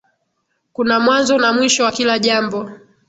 Kuna mwanzo na mwisho wa kila jambo